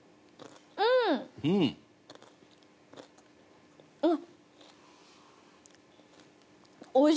うん！あっ！